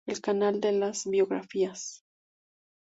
El canal de las biografías.